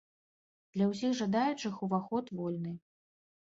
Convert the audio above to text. Для ўсіх жадаючых уваход вольны!